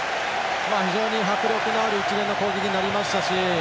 非常に迫力のある一連の攻撃になりましたし